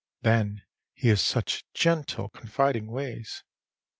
Then he has such gentle, confiding ways.